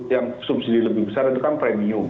yang subsidi lebih besar itu kan premium